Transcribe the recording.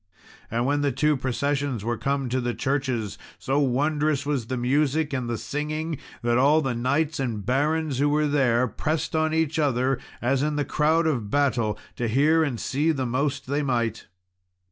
And when the two processions were come to the churches, so wondrous was the music and the singing, that all the knights and barons who were there pressed on each other, as in the crowd of battle, to hear and see the most they might.